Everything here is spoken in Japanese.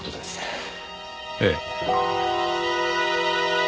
ええ。